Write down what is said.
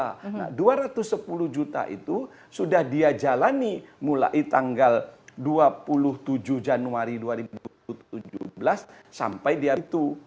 nah dua ratus sepuluh juta itu sudah dia jalani mulai tanggal dua puluh tujuh januari dua ribu tujuh belas sampai dia itu